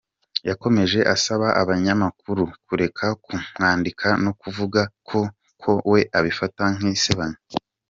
Yakomeje asaba abanyamakuru kureka ku mwandika no kuvuga kuko we abifata nk’isebanya.